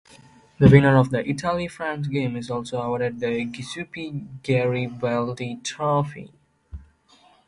The winner of the Italy-France game is also awarded the Giuseppe Garibaldi Trophy.